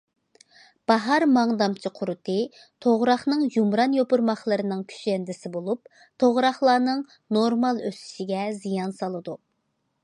باھار ماڭدامچى قۇرۇتى توغراقنىڭ يۇمران يوپۇرماقلىرىنىڭ كۈشەندىسى بولۇپ، توغراقلارنىڭ نورمال ئۆسۈشىگە زىيان سالىدۇ.